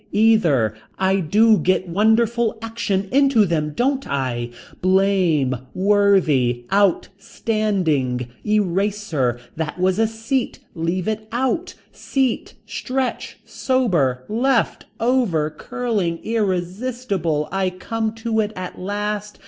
Either. I do get wonderful action into them don't I. Blame. Worthy. Out. Standing. Eraser. That was a seat. Leave it out. Seat. Stretch. Sober. Left. Over. Curling. Irresistible. I come to it at last.